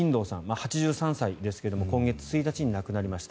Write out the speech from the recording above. ８３歳ですが今月１日に亡くなりました。